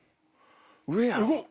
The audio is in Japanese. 上やろ。